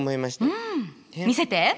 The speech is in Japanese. うん見せて。